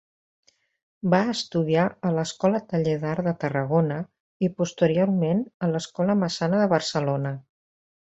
Va estudiar a l'Escola Taller d'Art de Tarragona i posteriorment a l’Escola Massana de Barcelona.